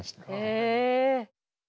へえ。